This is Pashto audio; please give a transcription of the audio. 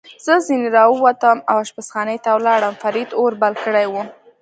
زه ځنې را ووتم او اشپزخانې ته ولاړم، فرید اور بل کړی و.